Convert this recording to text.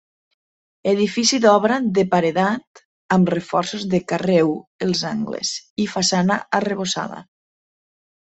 Edifici d'obra de paredat amb reforços de carreu als angles i façana arrebossada.